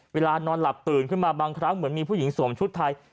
เวลานอนหลับตื่นขึ้นมาบางครั้งเหมือนมีผู้หญิงสวมชุดไทย